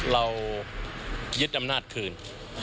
เรายึดอำนาจคืน